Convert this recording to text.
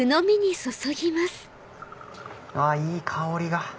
あいい香りが！